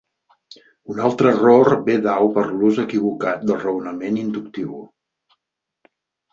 Un altre error ve dau per l'ús equivocat del raonament inductiu.